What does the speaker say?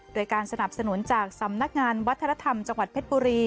โดยการสนับสนุนจากสำนักงานวัฒนธรรมจังหวัดเพชรบุรี